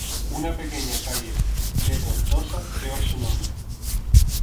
Una pequeña calle de Tortosa lleva su nombre.